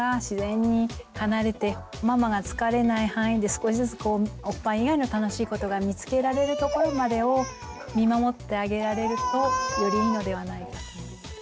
少しずつおっぱい以外の楽しいことが見つけられるところまでを見守ってあげられるとよりいいのではないかと。